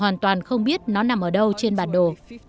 hoàn toàn không biết nó nằm ở đâu trên bản đồ